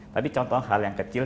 tapi contoh hal yang kecil